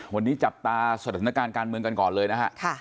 วันนี้จับตาสถานการณ์การเมืองกันก่อนเลยนะฮะ